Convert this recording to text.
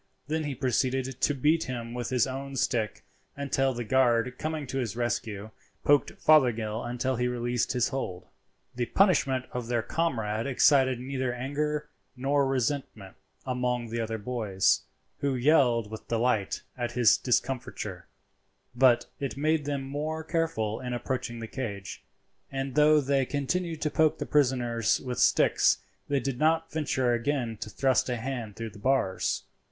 Then he proceeded to beat him with his own stick until the guard, coming to his rescue, poked Fothergill until he released his hold. The punishment of their comrade excited neither anger nor resentment among the other boys, who yelled with delight at his discomfiture; but it made them more careful in approaching the cage, and though they continued to poke the prisoners with sticks they did not venture again to thrust a hand through the bars.